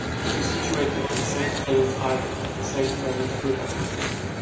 It is situated on the Saint Helen's Island in the Saint Lawrence River.